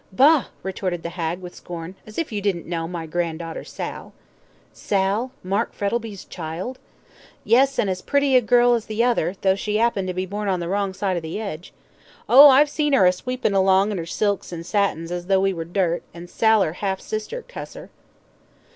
"Bah," retorted the hag, with scorn, "as if you didn't know my gran'daughter Sal." "Sal, Mark Frettlby's child?" "Yes, an' as pretty a girl as the other, tho' she 'appened to be born on the wrong side of the 'edge. Oh, I've seen 'er a sweepin' along in 'er silks an' satins as tho' we were dirt an' Sal 'er 'alf sister cuss 'er."